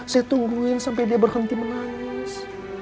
saya tungguin sampai dia berhenti menangis